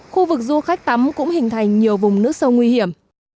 khu vực du khách tắm cũng hình thành nhiều vùng nước sâu nguy hiểm